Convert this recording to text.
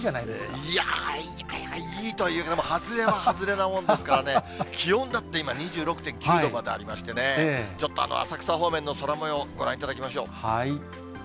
いやぁ、いいというよりも外れは外れなもんですからね、気温だって今、２６．９度までありましてね、ちょっと浅草方面の空もようご覧いただきましょう。